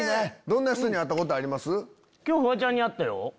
どんな人会ったことあります？